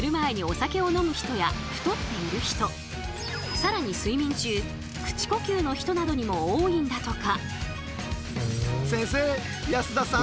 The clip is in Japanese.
さらに睡眠中口呼吸の人などにも多いんだとか。